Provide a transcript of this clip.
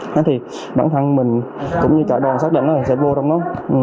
thế thì bản thân mình cũng như cả đoàn xác định là sẽ vô trong đó